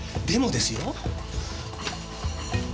でもですよ。